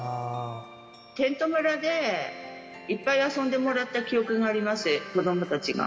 テント村でいっぱい遊んでもらった記憶があります、子どもたちが。